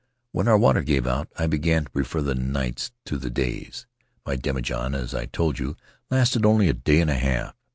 ... "When our water gave out I began to prefer the nights to the days. My demijohn, as I told you, lasted only a day and a half.